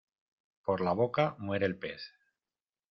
Por la boca muere el pez.